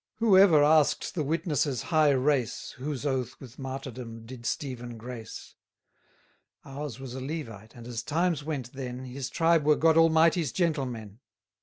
Who ever ask'd the witness's high race, Whose oath with martyrdom did Stephen grace? Ours was a Levite, and as times went then, His tribe were God Almighty's gentlemen.